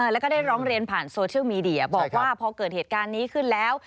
แล้วก็ได้ร้องเรียนผ่านโซเชียลมีเดียบอกว่าพอเกิดเหตุการณ์นี้ขึ้นแล้ว